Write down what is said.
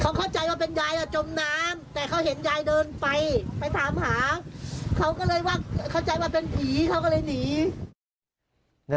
เขาก็เลยเข้าใจว่าเป็นผีเขาก็เลยหนี